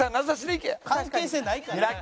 関係性ないから。